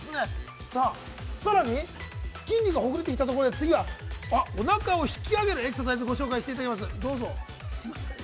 さあ、さらに筋肉がほぐれてきたところで次はおなかを引き上げるエクササイズをご紹介していただきます、どうぞ。